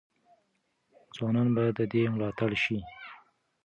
ځوانان باید د ده ملاتړي شي.